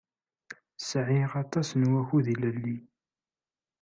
Sɛiɣ aṭas n wakud ilelli.